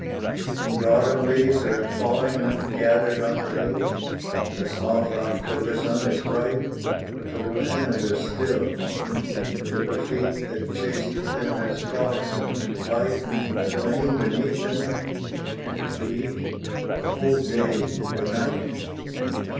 The autumn leaves are falling ungathered on the hill, The soft October sun is bright, but the little hands are still; And the little feet that chased them as frolicksome and light, Have lain beneath them can it be? a whole day and a night.